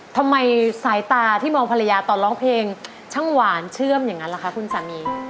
ทำไมสายตาที่มองภรรยาตอนร้องเพลงช่างหวานเชื่อมอย่างนั้นล่ะคะคุณสามี